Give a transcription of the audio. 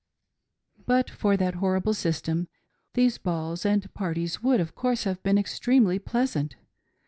But for that horrible system, these balls and parties would, of course, have been extremely pleasant.